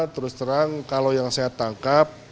terus terang kalau yang saya tangkap